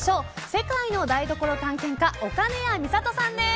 世界の台所探検家岡根谷実里さんです！